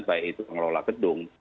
baik itu pengelola gedung